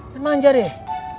lo manja deh